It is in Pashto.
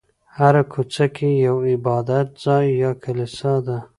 هره کوڅه کې یو عبادت ځای یا کلیسا ده.